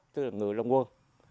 tức là người long quân